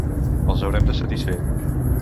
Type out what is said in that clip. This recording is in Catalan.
Els haurem de satisfer.